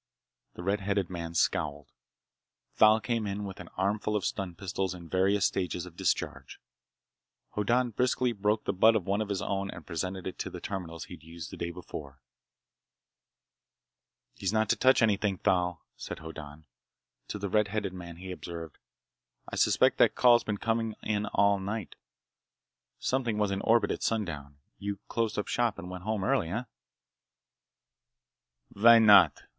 The red headed man scowled. Thal came in with an armful of stun pistols in various stages of discharge. Hoddan briskly broke the butt of one of his own and presented it to the terminals he'd used the day before. "He's not to touch anything, Thal," said Hoddan. To the red headed man he observed, "I suspect that call's been coming in all night. Something was in orbit at sundown. You closed up shop and went home early, eh?" "Why not?"